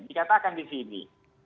dikatakan di sini